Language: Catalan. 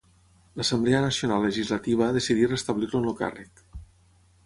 L'Assemblea Nacional Legislativa decidí restablir-lo en el càrrec.